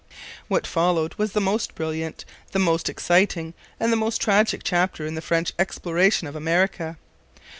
What followed was the most brilliant, the most exciting, and the most tragic chapter in the French exploration of America.